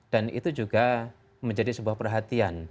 dan itu juga menjadi sebuah perhatian